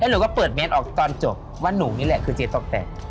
แล้วเราก็เปิดเมนต์ออกตอนจบว่าหนูนี่แหละคือเจ๊ตกแตก